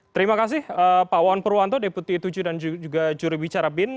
terima kasih pak waon purwanto deputi tujuh dan juga juri bicara bin